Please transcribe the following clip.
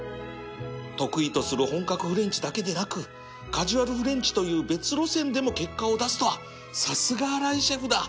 得意とする本格フレンチだけでなくカジュアルフレンチという別路線でも結果を出すとはさすが荒井シェフだ